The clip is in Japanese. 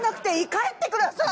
帰ってください。